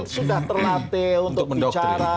mereka kan sudah terlatih untuk bicara